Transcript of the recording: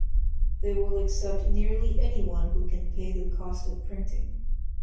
They will accept nearly anyone who can pay the cost of printing.